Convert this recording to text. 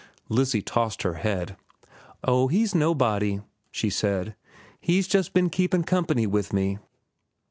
Lizzie tossed her head. "Oh, he's nobody," she said. "He's just ben keepin' company with me."